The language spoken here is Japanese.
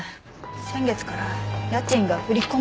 先月から家賃が振り込まれてないって。